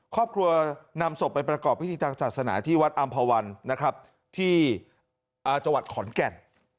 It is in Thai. ครอบครัวนำศพไปประกอบพิธีทางศาสนาที่วัดอำภาวันนะครับที่จังหวัดขอนแก่น